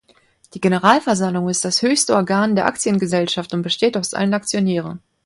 Die Generalversammlung ist das höchste Organ der Aktiengesellschaft und besteht aus allen Aktionären.